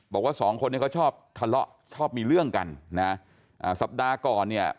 บอกว่าสองคนนี้เขาชอบทะเลาะชอบมีเรื่องกันนะอ่าสัปดาห์ก่อนเนี่ย